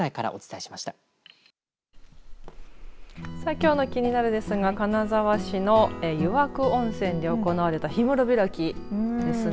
きょうのキニナル！ですが金沢市の湯涌温泉で行われた氷室開きですね。